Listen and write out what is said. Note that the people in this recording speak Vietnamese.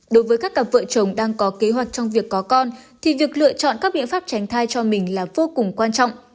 đối với các cặp vợ chồng đang có kế hoạch trong việc có con thì việc lựa chọn các biện pháp tránh thai cho mình là vô cùng quan trọng